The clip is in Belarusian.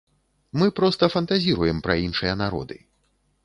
Мы проста фантазіруем пра іншыя народы.